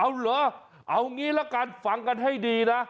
เอาเหรอเอางี้ละกันฟังกันให้ดีนะ